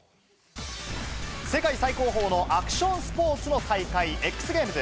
世界最高峰のアクションスポーツの大会・ＸＧａｍｅｓ。